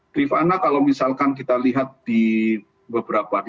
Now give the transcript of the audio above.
trifana kalau misalkan kita lihat di beberapa